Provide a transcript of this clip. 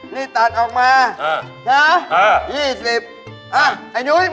มีความรู้สึกว่า